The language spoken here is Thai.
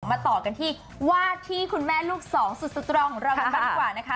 มาต่อกันที่วาดที่คุณแม่ลูกสองสุดสตรองของเรากันบ้างดีกว่านะคะ